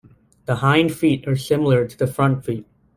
The hind feet are similar to the front feet.